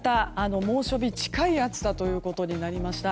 猛暑日近い暑さということになりました。